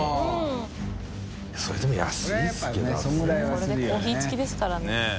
これでコーヒー付きですからね。